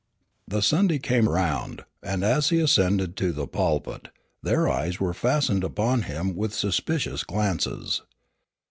The Sunday came round, and as he ascended to the pulpit, their eyes were fastened upon him with suspicious glances.